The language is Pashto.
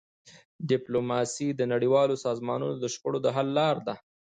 ډيپلوماسي د نړیوالو سازمانونو د شخړو د حل لاره ده.